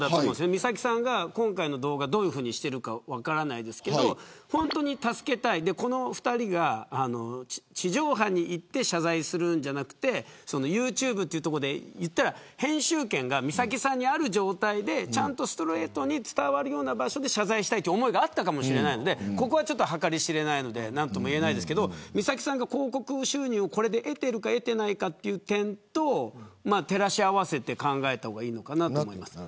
三崎さんが今回の動画でどういうふうにしているか分からないですけどこの２人が地上波にいって謝罪するんじゃなくてユーチューブというところで編集権が三崎さんにある状態でストレートに伝わるような場所で謝罪したいという思いがあったかもしれないのでそこは計り知れないので何とも言えませんが三崎さんは、これで広告収入を得ているか得ていないかという点と照らし合わせて考えた方がいいのかなと思います。